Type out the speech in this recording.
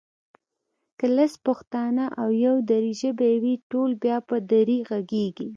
که لس پښتانه او يو دري ژبی وي ټول بیا په دري غږېږي